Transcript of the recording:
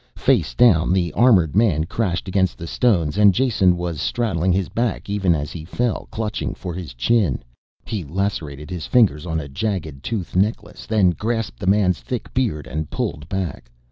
Face down the armored man crashed against the stones and Jason was straddling his back even as he fell, clutching for his chin. He lacerated his fingers on a jagged tooth necklace then grasped the man's thick beard and pulled back.